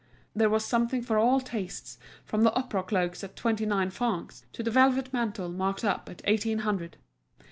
There was something for all tastes, from the opera cloaks at twenty nine francs to the velvet mantle marked up at eighteen hundred.